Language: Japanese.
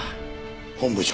本部長。